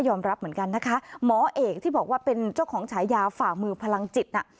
เหมือนกันนะคะหมอเอกที่บอกว่าเป็นเจ้าของฉายาฝ่ามือพลังจิตน่ะ